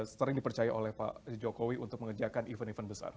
sering dipercaya oleh pak jokowi untuk mengerjakan event event besar